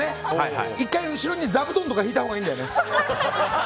１回後ろに座布団とか敷いたほうがいいんだよね。